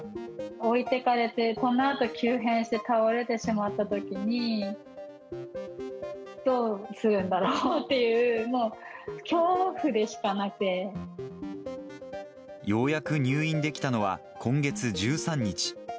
置いてかれて、このあと急変して倒れてしまったときに、どうするんだろうっていようやく入院できたのは、今月１３日。